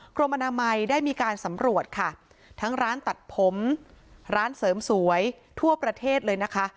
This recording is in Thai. กรมอนามัยได้มีการสำรวจค่ะทั้งร้านตัดผมร้านเสริมสวยทั่วประเทศเลยนะคะ